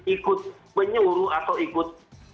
ikut penyuruh atau ikut